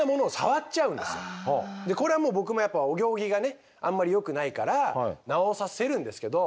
これはもう僕もやっぱお行儀がねあんまりよくないから直させるんですけど。